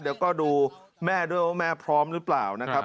เดี๋ยวก็ดูแม่ด้วยว่าแม่พร้อมหรือเปล่านะครับ